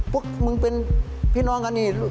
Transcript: พวกมึงเป็นพี่น้องอันนี้